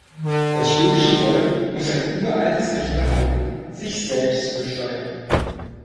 Das schwedische Volk muss sein uraltes Recht behalten, "sich selbst zu besteuern".